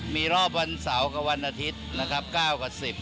มีรอบวันเสาร์กับวันอาทิตย์นะครับ๙กับ๑๐